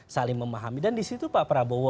saling memahami dan disitu pak prabowo